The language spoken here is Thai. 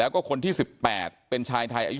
คนที่๑๘เป็นชายไทยอายุ๑๕